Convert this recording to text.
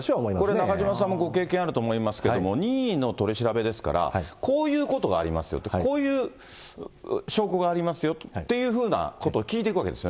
これ、中島さんもご経験あると思いますけれども、任意の取り調べですから、こういうことがありますよと、こういう証拠がありますよっていうふうなことを聞いてくわけです